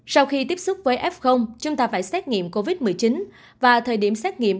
sau khi tiếp xúc với f chúng ta phải xét nghiệm covid một mươi chín và thời điểm xét nghiệm